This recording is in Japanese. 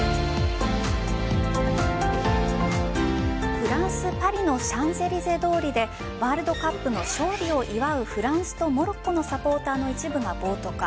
フランス・パリのシャンゼリゼ通りでワールドカップの勝利を祝うフランスとモロッコのサポーターの一部が暴徒化。